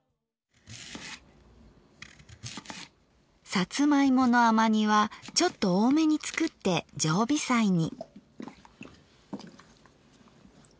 さつまいもの甘煮はちょっと多めに作って常備菜に。